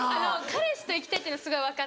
彼氏と行きたいっていうのはすごい分かって。